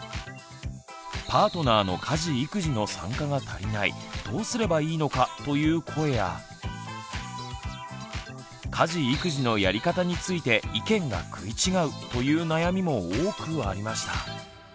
「パートナーの家事育児の参加が足りないどうすればいいのか」という声や「家事育児のやり方について意見が食い違う」という悩みも多くありました。